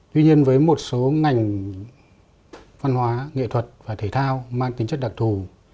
tuy nhiên với một số ngành văn hóa nghệ thuật và thể thao mang tính chất đặc thù